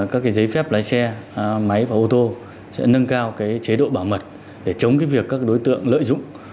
các giấy phép lái xe máy và ô tô sẽ nâng cao chế độ bảo mật để chống cái việc các đối tượng lợi dụng